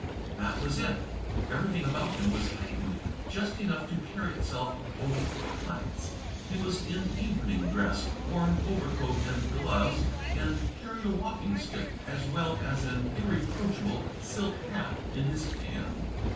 That was it. Everything about him was heightened just enough to carry itself over the footlights. He was in evening dress, wore an overcoat and gloves, and carried a walking stick, as well as an irreproachable silk hat, in his hand.